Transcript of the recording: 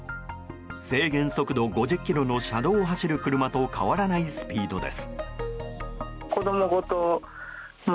制限速度５０キロの車道を走る車と変わらないスピードです。